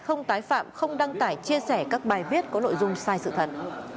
không tái phạm không đăng tải chia sẻ các bài viết có nội dung sai sự thật